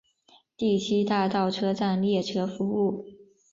第七大道车站列车服务。